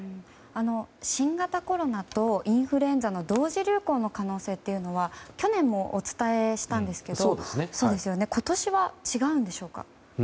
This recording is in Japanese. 新型コロナとインフルエンザの同時流行の可能性っていうのは去年もお伝えしたんですけど今年は違うんでしょうか？